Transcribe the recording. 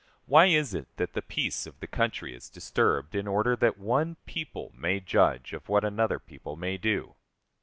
Why is it that the peace of the country is disturbed in order that one people may judge of what another people may do?